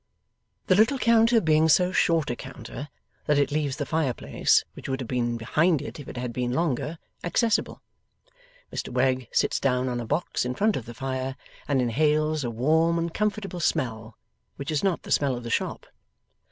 The little counter being so short a counter that it leaves the fireplace, which would have been behind it if it had been longer, accessible, Mr Wegg sits down on a box in front of the fire, and inhales a warm and comfortable smell which is not the smell of the shop.